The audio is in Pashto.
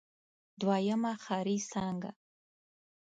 دويمه ښاري څانګه.